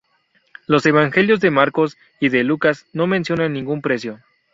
Los Evangelios de Marcos y de Lucas no mencionan ningún precio.